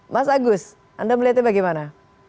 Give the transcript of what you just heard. mas agus anda melihatnya bagaimana